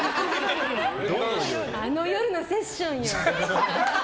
あの夜のセッションよ。